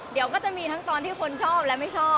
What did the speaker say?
เดี๋ยวก็จะมีทั้งตอนที่คนชอบและไม่ชอบ